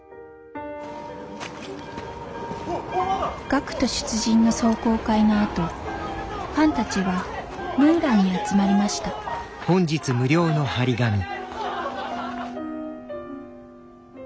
学徒出陣の壮行会のあとファンたちはムーランに集まりましたまっちゃんに無料で会える！